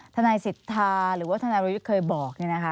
ทนายสิทธาหรือว่าทนายวรยุทธ์เคยบอก